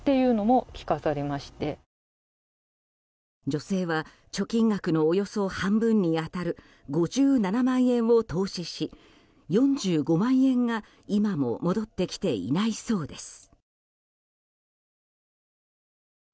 女性は貯金額のおよそ半分に当たる５７万円を投資し、４５万円が今も戻ってきていないそうです。